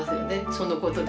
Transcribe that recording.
そのことで。